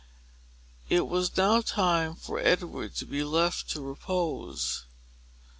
It was now time for Edward to be left to repose.